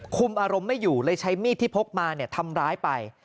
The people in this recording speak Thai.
คุมอารมณ์ไม่อยู่เลยใช้มีดที่พกมาทำร้ายไป